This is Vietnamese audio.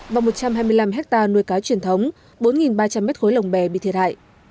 và một trăm hai mươi năm hectare nuôi cá truyền thống bốn ba trăm linh mét khối lồng bè bị thiệt hại